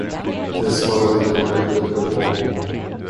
Det svarade Torkel inte på.